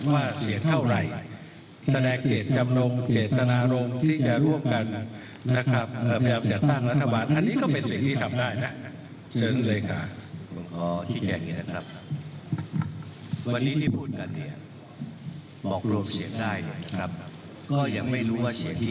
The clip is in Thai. ว่าภาพที่หวังว่าได้เท่านั้นเท่านี้นะเนี่ย